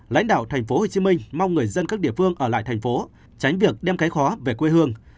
lãnh đạo tp hcm mong người dân các địa phương ở lại thành phố tránh việc đem cái khó về quê hương